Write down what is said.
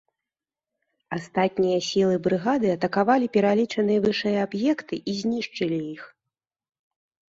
Астатнія сілы брыгады атакавалі пералічаныя вышэй аб'екты і знішчылі іх.